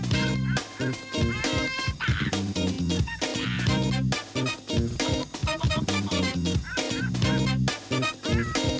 โปรดติดตามตอนต่อไป